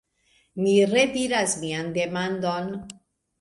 Mi rediras mian demandon.